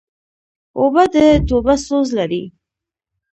اوبه د توبه سوز لري.